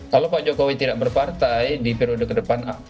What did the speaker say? kalau pak jokowi tidak berpartai di periode ke depan